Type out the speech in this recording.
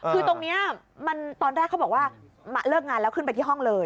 คือตรงนี้ตอนแรกเขาบอกว่ามาเลิกงานแล้วขึ้นไปที่ห้องเลย